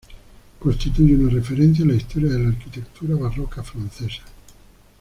Constituye una referencia en la historia de la arquitectura barroca francesa.